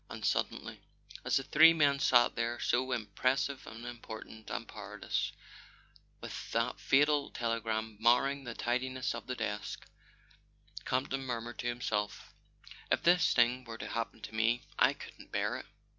And suddenly, as the three men sat there, so im¬ pressive and important and powerless, with that fatal telegram marring the tidiness of the desk, Campton murmured to himself: " If this thing were to happen to me I couldn't bear it.